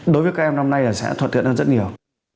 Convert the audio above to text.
đối với các em năm nay là sẽ thuận tiện hơn rất nhiều